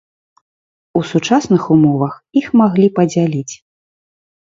У сучасных умовах іх маглі падзяліць.